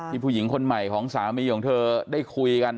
ผู้หญิงคนใหม่ของสามีของเธอได้คุยกัน